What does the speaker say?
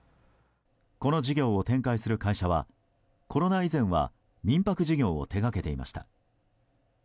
この事業を展開する会社はコロナ以前は民泊事業を手掛けていました。